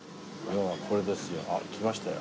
これですよあっ来ましたよ。